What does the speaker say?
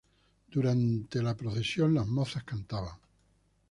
Durante la procesión las mozas cantaban.